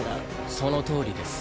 そのとおりです